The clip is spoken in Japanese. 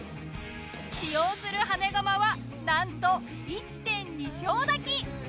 使用する羽根釜はなんと１．２升炊き。